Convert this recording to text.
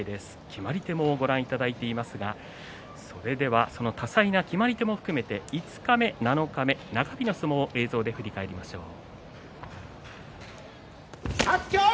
決まり手もご覧いただいていますが多彩な決まり手も含めて五日目、七日目、中日の相撲を映像で振り返りましょう。